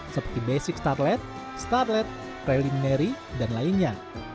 seperti basic startlet startlet preliminary dan lainnya